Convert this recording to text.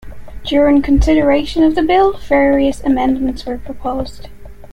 During consideration of the bill, various amendments were proposed.